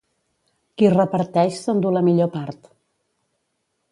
Qui reparteix s'endú la millor part.